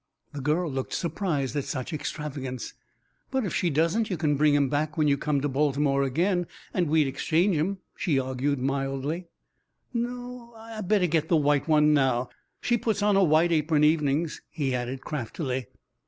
The girl looked surprised at such extravagance. "But if she doesn't you can bring 'em back when you come to Baltimore again, and we'd exchange 'em," she argued mildly. "No, I better get a white one now. She puts on a white apron evenings," he added craftily.